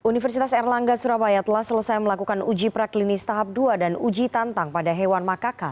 universitas erlangga surabaya telah selesai melakukan uji praklinis tahap dua dan uji tantang pada hewan makaka